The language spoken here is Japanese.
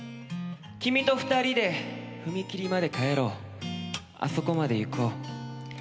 「君と２人で踏切まで帰ろうあそこまで行こう」